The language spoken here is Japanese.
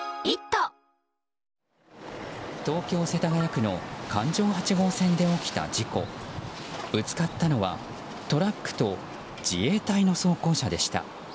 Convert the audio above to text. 東京・世田谷区の環状８号線で起きた事故ぶつかったのはトラックと自衛隊の装甲車でした。